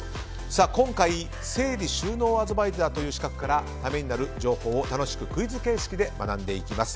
今回、整理収納アドバイザーという資格からためになる情報を楽しくクイズ形式で学んでいきます。